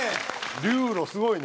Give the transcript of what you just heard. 流路、すごいね。